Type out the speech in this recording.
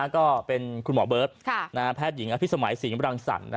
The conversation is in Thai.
ก็เป็นคุณหมอเบิร์ตแพทย์หญิงอภิษมัยศรีมรังสรรค์